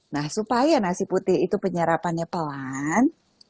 nah supaya nasi putih itu penyerapannya pelan